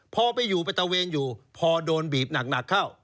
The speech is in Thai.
พอไปอยู่ไปตะเวนอยู่พอโดนบีบหนักเข้า